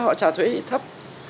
họ trả thuế thấp